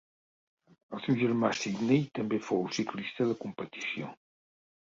El seu germà Sydney també fou ciclista de competició.